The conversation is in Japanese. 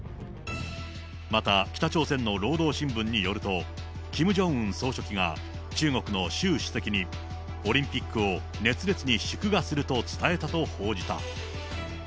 また北朝鮮の労働新聞によると、キム・ジョンウン総書記が、中国の習主席にオリンピックを熱烈に祝賀すると伝えたと報じた。